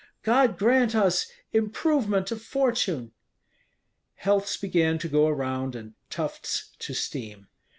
"God grant us improvement of fortune!" Healths began to go around, and tufts to steam.